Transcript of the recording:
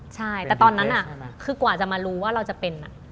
ใช่แต่ตอนนั้นคือกว่าจะมารู้ว่าเราจะเป็น